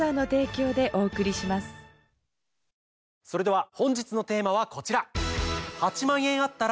それでは本日のテーマはこちら！